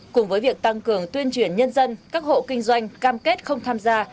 cùng với việc tăng cường tuyên truyền nhân dân các hộ kinh doanh cam kết không tham gia